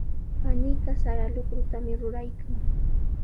Paniiqa sara luqrutami ruraykan.